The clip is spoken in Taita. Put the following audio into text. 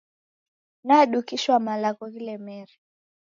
Nadukishwa magho ghilemere.